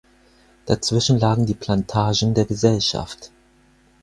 Dazwischen lagen die Plantagen der Gesellschaft.